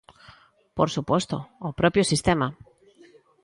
Por suposto... o propio sistema!